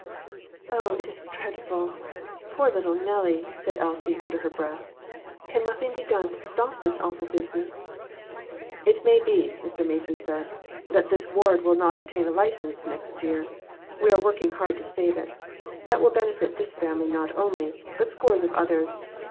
"Oh, it is dreadful! Poor little Nellie!" said Elsie, under her breath. "Can nothing be done to stop this awful business?" "It may be," Mr. Mason said, "that this ward will not obtain a license next year. We are work ing hard to save it. That will benefit this family not only, but scores of others.